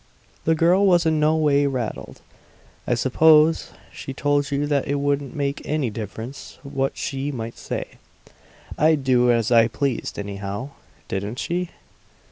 The girl was in no way rattled. "I suppose she told you that it wouldn't make any difference what she might say; I'd do as I pleased anyhow. Didn't she?"